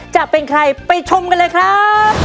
จะเป็นใครไปชมกันเลยครับ